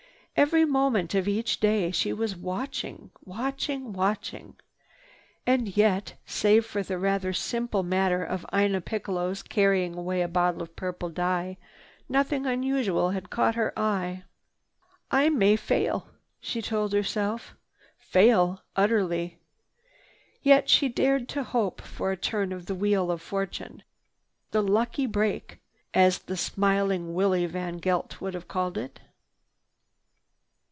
Every moment of each day she was watching, watching, watching. And yet, save for the rather simple matter of Ina Piccalo's carrying away a bottle of purple dye, nothing unusual had caught her eye. "I may fail," she told herself, "fail utterly." Yet she dared to hope for a turn of the wheel of fortune—"the lucky break" as the smiling Willie VanGeldt would have called it.